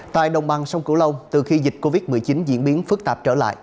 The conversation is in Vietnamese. tại đồng bằng sông cửu long từ khi dịch covid một mươi chín diễn biến phức tạp trở lại